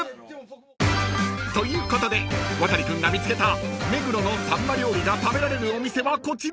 ［ということでワタリ君が見つけた目黒のさんま料理が食べられるお店はこちら］